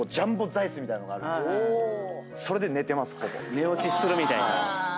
寝落ちするみたいな。